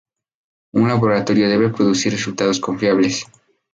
Un laboratorio debe producir resultados confiables.